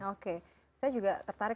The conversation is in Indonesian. oke saya juga tertarik